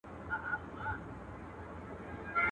د ژوند له ټاله به لوېدلی یمه.